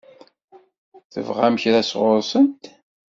Tebɣam kra sɣur-sent?